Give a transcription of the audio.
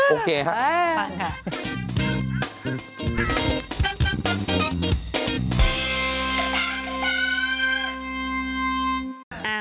โอเคครับ